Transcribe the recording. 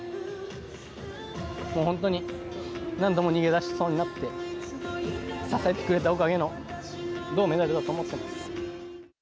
本当に、何度も逃げ出しそうになって、支えてくれたおかげの銅メダルだと思ってます。